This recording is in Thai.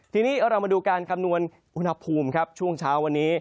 ทีนี้เรามาดูการคำนวณอุณหภูมิครับช่วงเช้าวันนี้